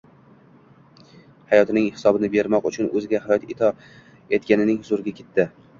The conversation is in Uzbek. Hayotining hisobini bermoq uchun o'ziga hayot ato etganning huzuriga ketdi.